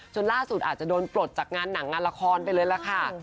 ล่าสุดอาจจะโดนปลดจากงานหนังงานละครไปเลยล่ะค่ะ